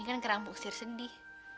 ini kan kerang fuchsir sedih